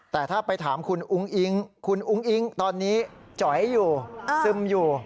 แต่ถ้าไปถามคุณอุ้งอิ๊งคุณอุ้งอิ๊งตอนนี้จ๋อยอยู่ซึมอยู่